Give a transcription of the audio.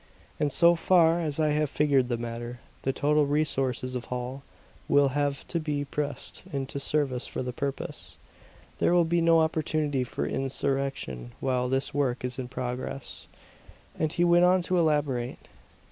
"And so far as I have figured the matter, the total resources of Holl will have to be pressed into service for the purpose. There will be no opportunity for insurrection while this work is in progress." And he went on to elaborate.